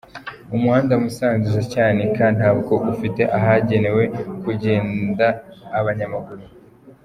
Umuhanda Musanze-Cyanika ntabwo ufite ahagenewe kugenda abanyamaguru.